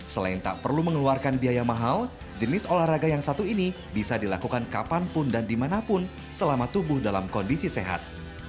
selain tak perlu mengeluarkan biaya mahal jenis olahraga yang satu ini bisa dilakukan kapanpun dan dimanapun selama tubuh dalam kondisi sehat